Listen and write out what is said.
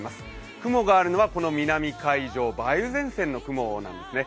雲があるのは南海上、梅雨前線の雲なんですね。